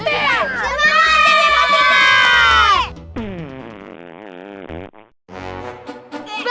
semangat demi positif